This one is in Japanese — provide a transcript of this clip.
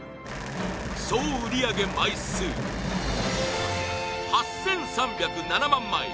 総売り上げ枚数８３０７万枚